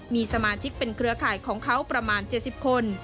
มีสมาชิกเป็นเครือข่ายของเขาประมาณ๗๐คน